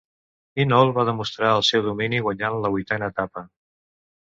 Hinault va demostrar el seu domini guanyant la vuitena etapa.